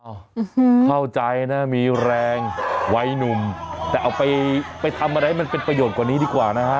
เข้าใจนะมีแรงวัยหนุ่มแต่เอาไปไปทำอะไรให้มันเป็นประโยชน์กว่านี้ดีกว่านะฮะ